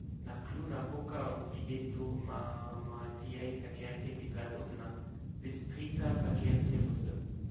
Nach Cluj-Napoca und Sighetu Marmației verkehren täglich drei Busse, nach Bistrița verkehren vier Busse.